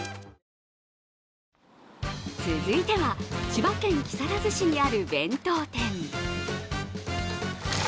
続いては千葉県木更津市にある弁当店。